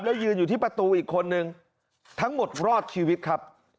แล้วยืนอยู่ที่ประตูอีกคนนึงทั้งหมดรอดชีวิตครับ